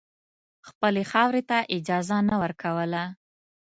خپلې خاورې ته اجازه نه ورکوله.